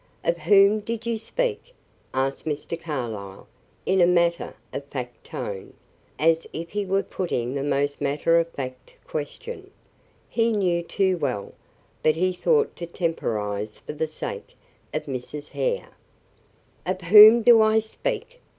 "Of whom did you speak?" asked Mr. Carlyle, in a matter of fact tone, as if he were putting the most matter of fact question. He knew too well; but he thought to temporize for the sake of Mrs. Hare. "Of whom do I speak!"